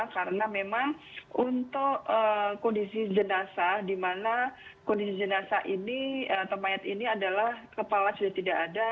karena memang untuk kondisi jenazah di mana kondisi jenazah ini atau mayat ini adalah kepala sudah tidak ada